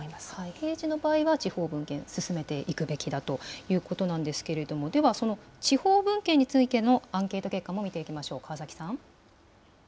平時の場合は地方分権を進めていくべきだということなんですけれども、では、その地方分権についてのアンケート結果も見ていきましょう、川崎さん。